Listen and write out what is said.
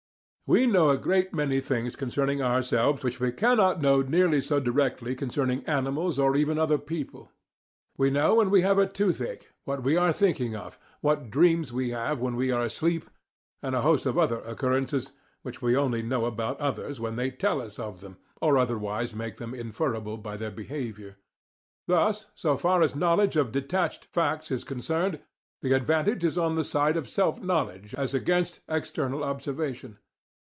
We know a great many things concerning ourselves which we cannot know nearly so directly concerning animals or even other people. We know when we have a toothache, what we are thinking of, what dreams we have when we are asleep, and a host of other occurrences which we only know about others when they tell us of them, or otherwise make them inferable by their behaviour. Thus, so far as knowledge of detached facts is concerned, the advantage is on the side of self knowledge as against external observation.